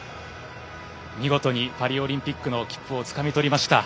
見事にパリオリンピックの切符をつかみ取りました。